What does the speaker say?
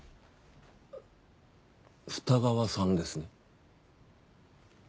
二川さんですね？